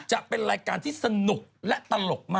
จะเป็นรายการที่สนุกและตลกมาก